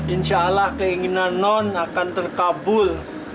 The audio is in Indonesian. insya allah keinginan non akan terkabul